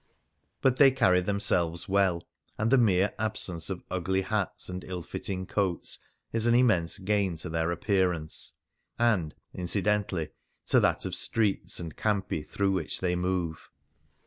But they carry themselves well, and the mere absence of ugly hats and ill fitting coats is an immense gain to their appearance, and, incidentally, to that of streets and campi through which they move.